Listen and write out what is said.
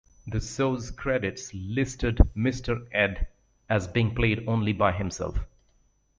The show's credits listed Mister Ed as being played only by "Himself".